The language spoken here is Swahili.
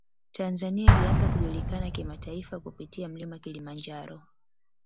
tanzania ilianza kujulikana kimataifa kupitia mlima kilimanjaro